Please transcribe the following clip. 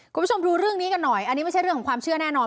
คุณผู้ชมดูเรื่องนี้กันหน่อยอันนี้ไม่ใช่เรื่องของความเชื่อแน่นอน